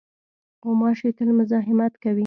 غوماشې تل مزاحمت کوي.